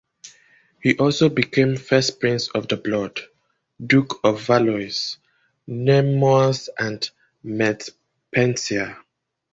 He also became First Prince of the Blood, Duke of Valois, Nemours and Montpensier.